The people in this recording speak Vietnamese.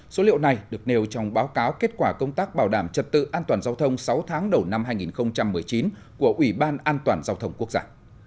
số liệu này được nêu trong báo cáo kết quả công tác bảo đảm trật tự an toàn giao thông sáu tháng đầu năm hai nghìn một mươi chín của ủy ban an toàn giao thông quốc gia